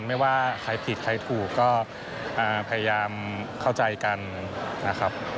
ไม่ว่าใครผิดใครถูกก็พยายามเข้าใจกันนะครับ